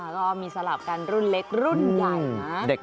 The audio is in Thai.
ก็มีสลับกันรุ่นเล็กรุ่นใหญ่นะ